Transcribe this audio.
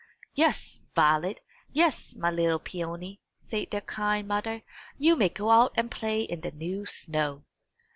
"Yes, Violet yes, my little Peony," said their kind mother; "you may go out and play in the new snow."